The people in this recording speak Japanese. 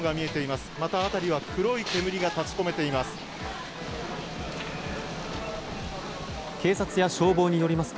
また、辺りは黒い煙が立ち込めています。